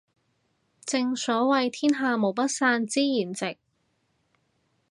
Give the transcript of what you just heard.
正所謂天下無不散之筵席